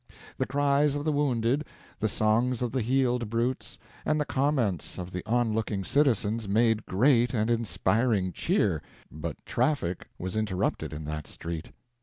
The cries of the wounded, the songs of the healed brutes, and the comments of the onlooking citizens made great and inspiring cheer, but traffic was interrupted in that street.